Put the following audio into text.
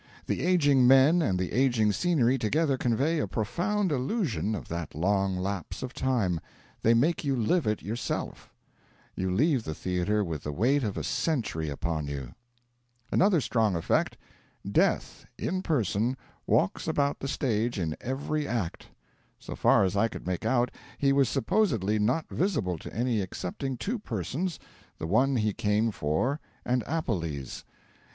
The ageing men and the ageing scenery together convey a profound illusion of that long lapse of time: they make you live it yourself! You leave the theatre with the weight of a century upon you. Another strong effect: Death, in person, walks about the stage in every act. So far as I could make out, he was supposably not visible to any excepting two persons the one he came for and Appelles.